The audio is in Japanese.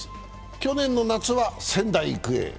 去年の夏は仙台育英。